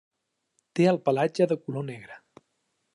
Té el pelatge de color negre.